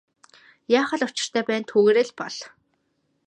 Яах л учиртай байна түүгээрээ бол.